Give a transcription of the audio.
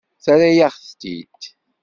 Terra-yaɣ-t-id.